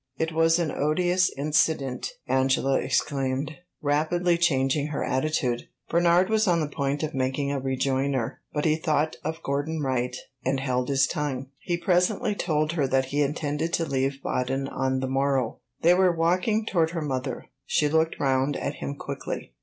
"It was an odious incident!" Angela exclaimed, rapidly changing her attitude. Bernard was on the point of making a rejoinder, but he thought of Gordon Wright and held his tongue. He presently told her that he intended to leave Baden on the morrow. They were walking toward her mother. She looked round at him quickly.